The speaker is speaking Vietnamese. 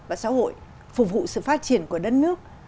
và xã hội phục vụ sự phát triển của đất nước